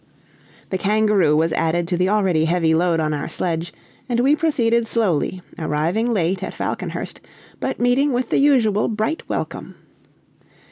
The kangaroo was added to the already heavy load on our sledge, and we proceeded slowly, arriving late at Falconhurst, but meeting with the usual bright welcome.